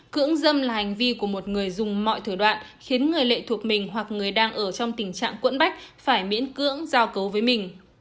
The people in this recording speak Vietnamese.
cưỡng dâm là hành vi của một người dùng mọi thủ đoạn khiến người lệ thuộc mình hoặc người đang ở trong tình trạng quẫn bách phải miễn cưỡng giao cấu với mình